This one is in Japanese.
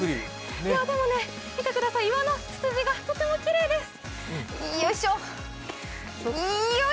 でもね、見てください、岩のつつじがとてもきれいです。